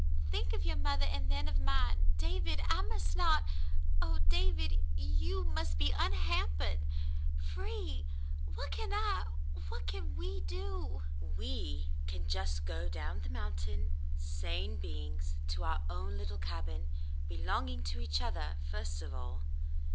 Think of your mother, and then of mine. David, I must not — Oh, David ! You must be unhampered — free — what can I — what can wedo.^" "We can just go down the mountain, sane beings, to our own little cabin, belonging to each other first of all."